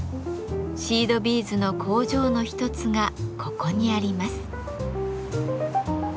シードビーズの工場の一つがここにあります。